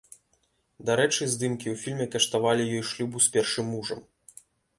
Дарэчы, здымкі ў фільме каштавалі ёй шлюбу з першым мужам.